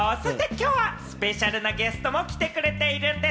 きょうはスペシャルなゲストも来てくれているんです。